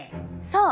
そう！